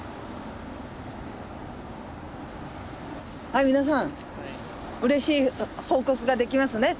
はい皆さんうれしい報告ができますね。